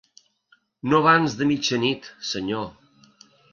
No abans de mitjanit, senyor.